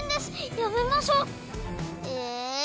やめましょう！え。